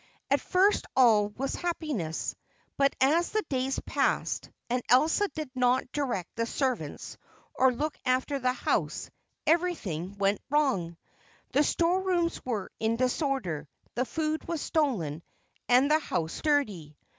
At first all was happiness, but as the days passed, and Elsa did not direct the servants or look after the house, everything went wrong. The storerooms were in disorder, the food was stolen, and the house dirty.